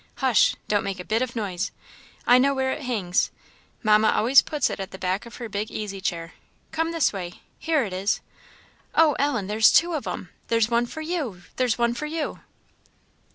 Hush! don't make a bit of noise I know where it hangs Mamma always puts it at the back of her big easy chair; come this way here it is! Oh, Ellen! there's two of 'em! There's one for you! there's one for you!"